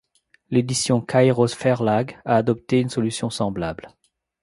L'édition Kairos-Verlag a adopté une solution semblable.